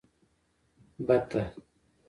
🪿بته